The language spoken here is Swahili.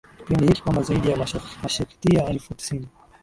kipindi hiki kwamba zaidi ya Meskhetiya elfu tisini